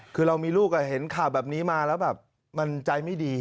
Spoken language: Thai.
คือเรามีลูกเห็นข่าวแบบนี้มาแล้วแบบมันใจไม่ดี